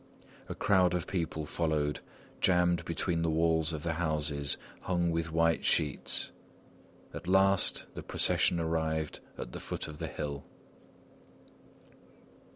A crowd of people followed, jammed between the walls of the houses hung with white sheets; at last the procession arrived at the foot of the hill.